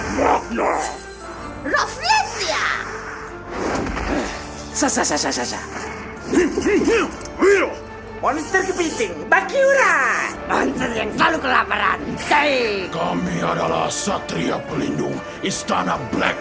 monster kepiting bakiura monster yang selalu kelaparan kami adalah satria pelindung istana black